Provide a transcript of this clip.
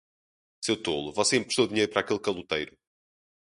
Seu tolo, você emprestou dinheiro para aquele caloteiro.